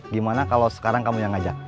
gimana kalau sekarang kamu yang ngajak